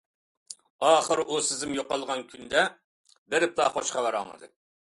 ئاخىرى ئۇ سېزىم يوقالغان كۈنىدە بېرىپلا خوش خەۋەر ئاڭلىدى.